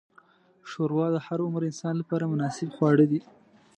ښوروا د هر عمر انسان لپاره مناسب خواړه ده.